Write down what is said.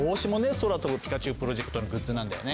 そらとぶピカチュウプロジェクトのグッズなんだよね。